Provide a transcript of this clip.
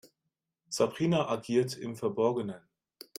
Sabrina agiert im Verborgenen.